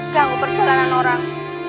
ganggu perjalanan orang